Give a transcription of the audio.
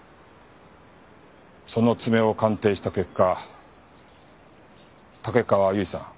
その爪を鑑定した結果竹川由衣さん